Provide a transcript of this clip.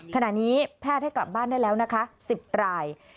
ขณะนี้แพทย์ให้กลับบ้านได้แล้วนะคะ๑๐ราย